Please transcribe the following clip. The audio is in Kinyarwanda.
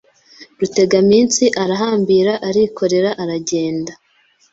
Rutegaminsi arahambira arikorera aragenda